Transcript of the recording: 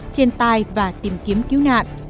thiên tai và tìm kiếm cứu nạn